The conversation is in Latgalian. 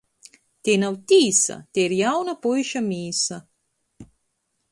Tei nav tīsa! Tei ir jauna puiša mīsa.